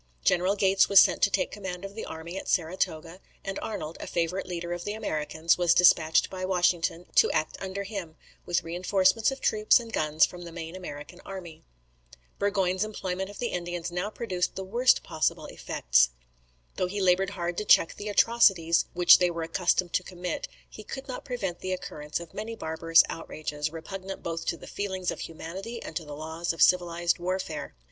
General Gates was sent to take command of the army at Saratoga; and Arnold, a favourite leader of the Americans, was despatched by Washington to act under him, with reinforcements of troops and guns from the main American army. Burgoyne's employment of the Indians now produced the worst possible effects. Though he laboured hard to check the atrocities which they were accustomed to commit, he could not prevent the occurrence of many barbarous outrages, repugnant both to the feelings of humanity and to the laws of civilized warfare.